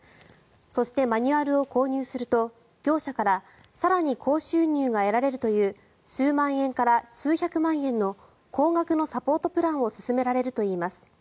そして、マニュアルを購入すると業者から更に高収入が得られるという数万円から数百万円の高額のサポートプランを勧められるといいます。